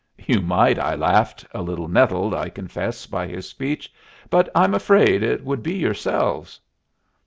"You might," I laughed, a little nettled, I confess, by his speech, "but I'm afraid it would be yourselves."